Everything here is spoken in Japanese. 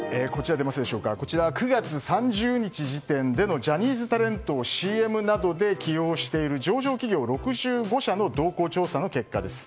こちらは、９月３０日時点でのジャニーズタレントをＣＭなどで起用している上場企業６５社の動向調査の結果です。